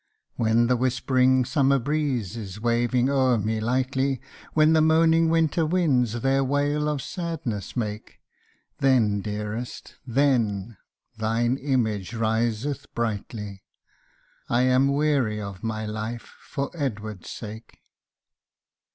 When the whisp'ring summer breeze is waving o'er me lightly, When the moaning winter winds their wail of sadness make; Then dearest, then, thine image riseth brightly, I am weary of my life, for Edward's sake.